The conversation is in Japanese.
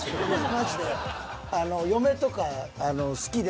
マジで。